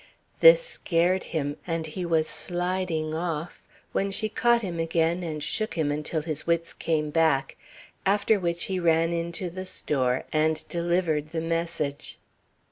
This scared him, and he was sliding off, when she caught him again and shook him until his wits came back, after which he ran into the store and delivered the message.